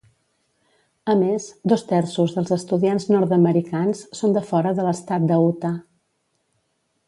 A més, dos terços dels estudiants nord-americans són de fora de l'estat de Utah.